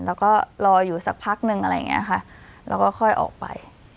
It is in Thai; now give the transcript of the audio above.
แล้วก็รออยู่สักพักนึงอะไรอย่างนี้ค่ะแล้วก็ค่อยออกไป